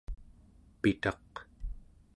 pitaq